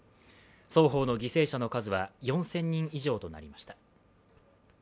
双方の犠牲者の数は４０００人以上となりました。